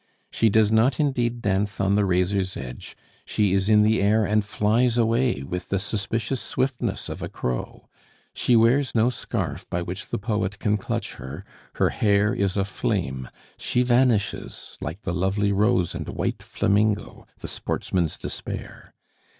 She does not indeed dance on the razor's edge, she is in the air and flies away with the suspicious swiftness of a crow; she wears no scarf by which the poet can clutch her; her hair is a flame; she vanishes like the lovely rose and white flamingo, the sportsman's despair.